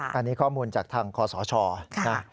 อันนี้ข้อมูลจากทางคศนะ